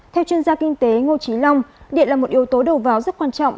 theo chuyên gia kinh tế ngô trí long điện là một yếu tố đầu vào rất quan trọng